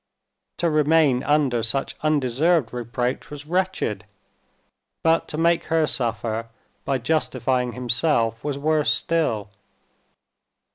To remain under such undeserved reproach was wretched, but to make her suffer by justifying himself was worse still.